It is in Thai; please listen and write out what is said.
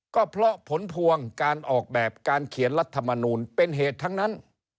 ก็เพราะผลพวงการออกแบบการเขียนรัฐมนูลเป็นเหตุทั้งนั้น